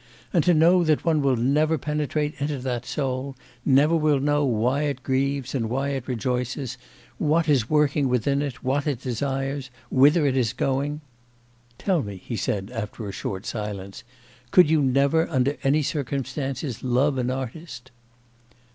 And to know that one will never penetrate into that soul, never will know why it grieves and why it rejoices, what is working within it, what it desires whither it is going... Tell me,' he said after a short silence, 'could you never under any circumstances love an artist?